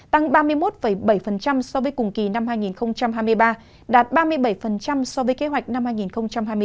tăng ba mươi một bảy so với cùng kỳ năm hai nghìn hai mươi ba đạt ba mươi bảy so với kế hoạch năm hai nghìn hai mươi bốn